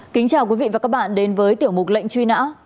kính chào quý vị và các bạn đến với tiểu mục lệnh truy nã